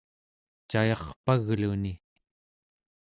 cayarpagluni